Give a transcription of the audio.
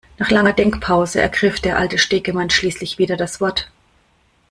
Nach langer Denkpause ergriff der alte Stegemann schließlich wieder das Wort.